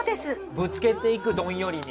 ぶつけていくどんよりに？